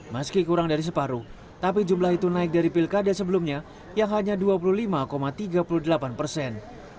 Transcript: meski kurang dari separuh tapi jumlah itu naik dari pilkada sebelumnya yang hanya dua puluh lima tiga puluh delapan persen